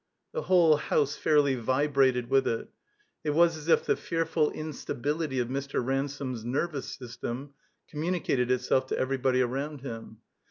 The whole "^ouse fairly vibrated with it. It was as if the fearfl t instability of Mr. Ransome's nervous system oomnKmicated itself to everybody arotmd him.